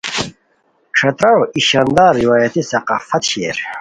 ݯھترارو ای شاندار روایتی ثقافت شیر